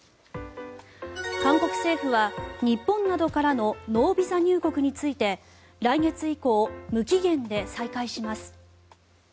韓国政府は、日本などからのノービザ入国について来月以降、無期限で再開します。